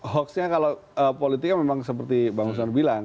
hoaxnya kalau politiknya memang seperti bang usman bilang